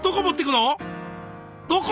どこ？